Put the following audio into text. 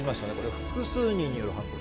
複数人による犯行。